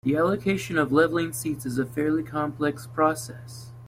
The allocation of leveling seats is a fairly complex process.